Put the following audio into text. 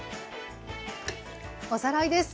おさらいです。